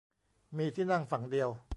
มีที่นั่งฝั่งเดียว